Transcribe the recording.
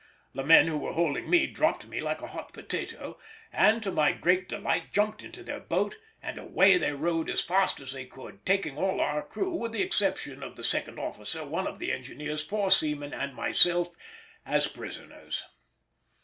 The men who were holding me dropped me like a hot potato, and to my great delight jumped into their boat, and away they rowed as fast as they could, taking all our crew, with the exception of the second officer, one of the engineers, four seamen and myself, as prisoners.